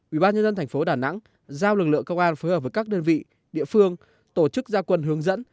ủy ban nhân dân thành phố đà nẵng giao lực lượng công an phối hợp với các đơn vị địa phương tổ chức gia quân hướng dẫn